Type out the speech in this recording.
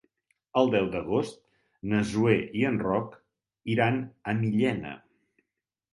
El deu d'agost na Zoè i en Roc iran a Millena.